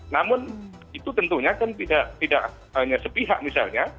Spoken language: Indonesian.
namun itu tentunya kan tidak hanya sepihak misalnya